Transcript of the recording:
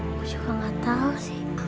aku juga tidak tahu sih